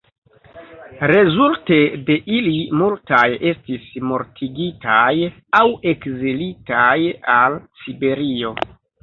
Rezulte de ili multaj estis mortigitaj aŭ ekzilitaj al Siberio.